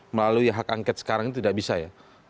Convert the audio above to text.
melalui hak angket sekarang ini tidak bisa ya